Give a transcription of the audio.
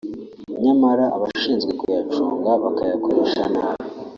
nyamara abashinzwe kuyacunga bakayakoresha nabi